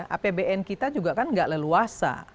apbn kita juga kan gak leluasa